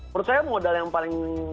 menurut saya modal yang paling